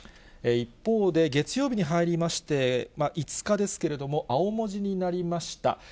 一方で、月曜日に入りまして、５日ですけれども、青文字になりました。